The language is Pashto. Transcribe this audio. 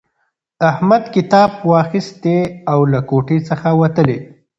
احمد کتاب واخیستی او له کوټې څخه ووتلی.